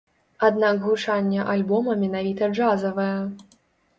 Аднак гучанне альбома менавіта джазавае.